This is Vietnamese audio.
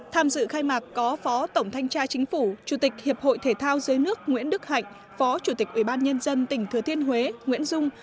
tham dự khai mạc có phó tổng thanh tra chính phủ chủ tịch hiệp hội thể thao dưới nước nguyễn đức hạnh phó chủ tịch ubnd tỉnh thừa thiên huế nguyễn dung